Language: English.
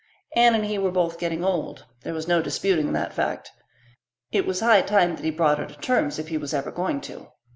Anne and he were both getting old there was no disputing that fact. It was high time that he brought her to terms if he was ever going to.